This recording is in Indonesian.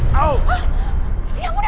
ya ampun ya ampun